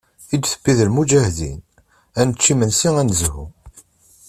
I d-tewwi d lmuǧahdin, ad nečč imensi ad nezhu.